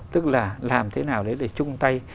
tức là làm thế nào đấy để chung tay